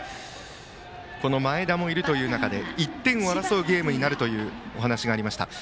前田もいるという中で１点を争うゲームになるというお話がありました。